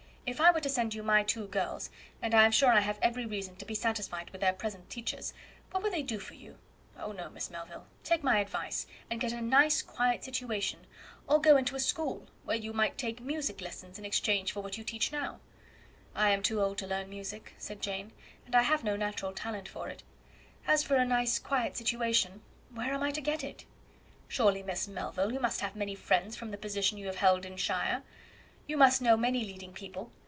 If I were to send you my two girls and I am sure I have every reason to be satisfied with their present teachers what would they do for you? Oh, no, Miss Melville. Take my advice, and get a nice quiet situation, or go into a school, where you might take music lessons in exchange for what you can teach now." "I am too old to learn music," said Jane, "and I have no natural talent for it. As for a nice quiet situation, where am I to get it?" "Surely, Miss Melville, you must have many friends, from the position you have held in shire; you must know many leading people.